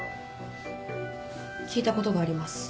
聞いたことがあります。